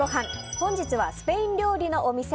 本日はスペイン料理のお店